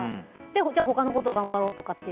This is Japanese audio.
じゃあ他のことを頑張ろうって。